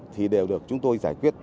thì đều được chúng tôi giải quyết